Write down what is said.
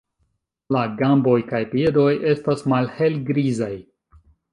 La gamboj kaj piedoj estas malhelgrizaj.